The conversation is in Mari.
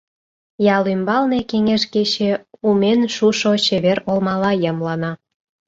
Ял ӱмбалне кеҥеж кече умен шушо чевер олмала ямлана.